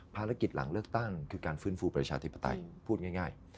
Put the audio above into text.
พาระกิจหลังเลือกตั้งคือการฟื้นฟูประชาธิปไตย